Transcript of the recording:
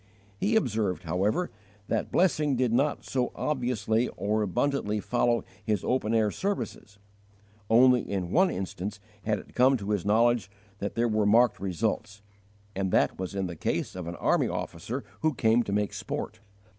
He observed, however, that blessing did not so obviously or abundantly follow his open air services: only in one instance had it come to his knowledge that there were marked results, and that was in the case of an army officer who came to make sport.